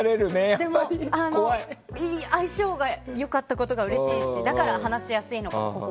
でも相性が良かったことがうれしいしだから話しやすいのかな。